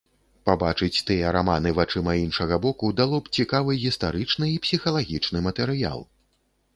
Пабачыць тыя раманы вачыма іншага боку дало б цікавы гістарычны і псіхалагічны матэрыял.